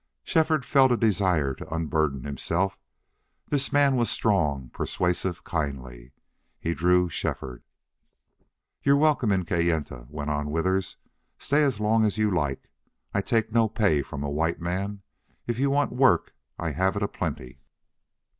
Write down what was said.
Shefford felt a desire to unburden himself. This man was strong, persuasive, kindly. He drew Shefford. "You're welcome in Kayenta," went on Withers. "Stay as long as you like. I take no pay from a white man. If you want work I have it aplenty."